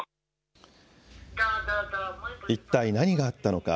一体何があったのか。